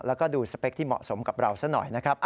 แล้วก็ดูสเปคที่เหมาะสมกับเราซะหน่อยนะครับ